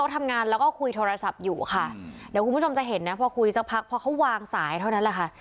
เดี๋ยวคุณผู้ชมเห็นพอคุยสักพักวางสายเท่านั่นแหละค่ะ